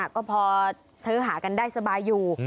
ก็พอซื้อหากันได้สบายอยู่